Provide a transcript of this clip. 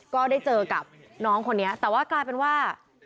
ก็ได้เจอกับน้องคนนี้แต่ว่ากลายเป็นว่า